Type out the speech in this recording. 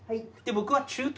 僕は。